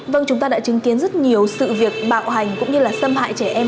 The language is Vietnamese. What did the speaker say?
vâng chúng ta đã chứng kiến rất nhiều sự việc bạo hành cũng như là xâm hại trẻ em